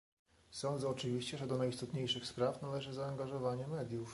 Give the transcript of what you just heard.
Sądzę, oczywiście, że do najistotniejszych spraw należy zaangażowanie mediów